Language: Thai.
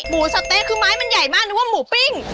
สะเต๊ะคือไม้มันใหญ่มากนึกว่าหมูปิ้ง